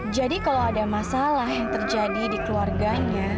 jadi kalau ada masalah yang terjadi di keluarganya